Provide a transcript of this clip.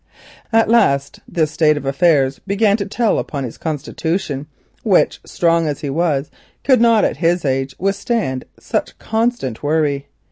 At last this state of affairs began to tell upon his constitution, which, strong as he was, could not at his age withstand such constant worry.